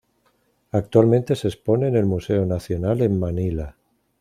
Actualmente se expone en el Museo Nacional en Manila.